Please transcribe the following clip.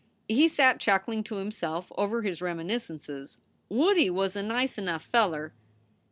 He sat chuckling to himself over his reminiscences. "Woodie was a nice enough feller.